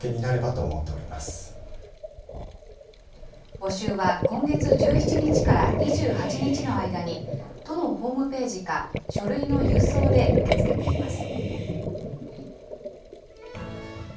募集は今月１７日から２８日の間に、都のホームページか書類の郵送で受け付けています。